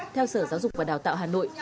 theo sở giáo dục và đào tạo hà nội